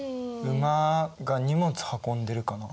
馬が荷物運んでるかな。